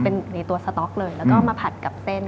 เป็นในตัวสต๊อกเลยแล้วก็มาผัดกับเส้น